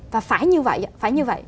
và phải như vậy phải như vậy